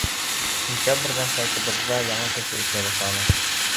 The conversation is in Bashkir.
Сентябрҙән сайтыбыҙҙа яңы кеше эшләй башланы.